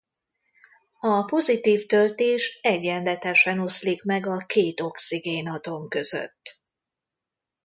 A pozitív töltés egyenletesen oszlik meg a két oxigénatom között.